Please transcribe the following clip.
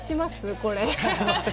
これ。